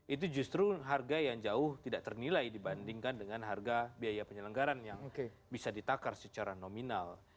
itu justru harga yang jauh tidak ternilai dibandingkan dengan harga biaya penyelenggaran yang bisa ditakar secara nominal